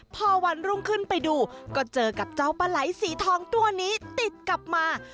พอวันรุ่งขึ้นไปดูก็เจอกับเจ้าปลาไหลสีทองตัวนี้ติดกลับมา